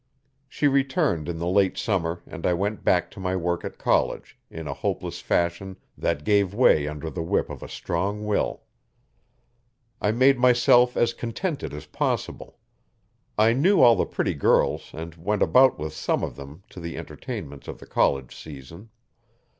She returned in the late summer and I went back to my work at college in a hopeless fashion that gave way under the whip of a strong will. I made myself as contented as possible. I knew all the pretty girls and went about with some of them to the entertainments of the college season.